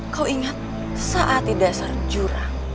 kau ingat saat di dasar jurang